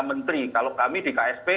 menteri kalau kami di ksp